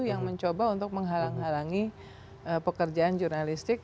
yang mencoba untuk menghalangi pekerjaan jurnalistik